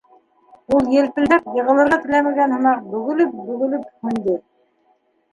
Ул, елпелдәп, йығылырға теләмәгән һымаҡ, бөгөлөп-бөгөлөп һүнде.